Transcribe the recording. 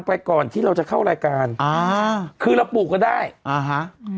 ไปก่อนที่เราจะเข้ารายการอ่าคือเราปลูกกันได้อ่าฮะอืม